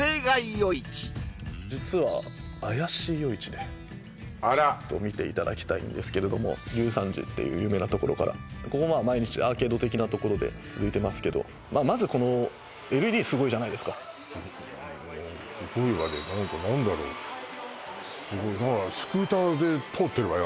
夜市実は妖しい夜市であらっ見ていただきたいんですけれども龍山寺っていう有名な所からここまあ毎日アーケード的な所で続いてますけどまずこのＬＥＤすごいじゃないですかすごいわね何か何だろう？スクーターで通ってるわよ